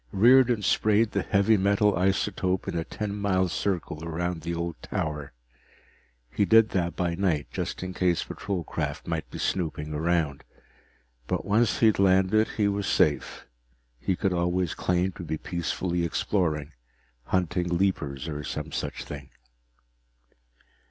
Riordan sprayed the heavy metal isotope in a ten mile circle around the old tower. He did that by night, just in case patrol craft might be snooping around. But once he had landed, he was safe he could always claim to be peacefully exploring, hunting leapers or some such thing.